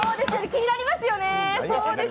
気になりますよね。